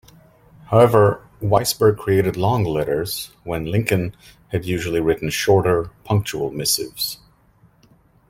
However, Weisberg created long letters when Lincoln had usually written shorter, punctual missives.